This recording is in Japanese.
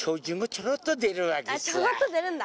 ちょろっと出るんだ。